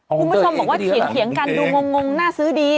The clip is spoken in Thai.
อะไรลูกค้าตกใจคุณผู้ชมบอกว่าเขียนเขียนกันดูงงงงน่าซื้อดี